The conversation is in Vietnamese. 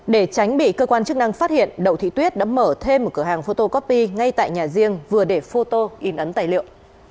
để tránh bị cơ quan chức năng phát hiện đậu thị tuyết đã mở thêm một cửa hàng photocopy ngay tại nhà riêng vừa để phô tô in ấn tài liệu